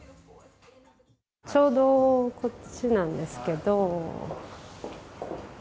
ちょうどこっちなんですけど。